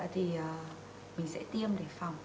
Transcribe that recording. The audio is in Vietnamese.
thì mình sẽ tiêm để phòng